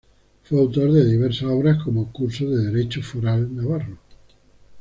Fue autor de diversas obras como "Curso de Derecho Foral Navarro.